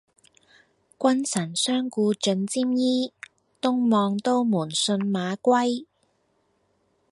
君臣相顧盡沾衣，東望都門信馬歸。